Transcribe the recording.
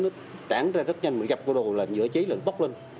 nó tảng ra rất nhanh gặp cái đồ là giữa chí là nó bốc lên